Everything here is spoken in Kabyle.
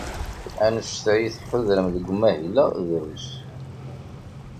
Anect ay tḥudrem deg umahil-a drus.